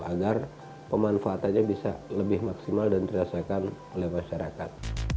agar pemanfaatannya bisa lebih maksimal dan dirasakan oleh masyarakat